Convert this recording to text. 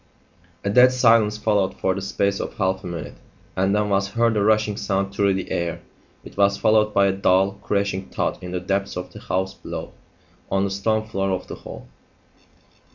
A dead silence followed for the space of half a minute, and then was heard a rushing sound through the air. It was followed by a dull, crashing thud in the depths of the house below on the stone floor of the hall.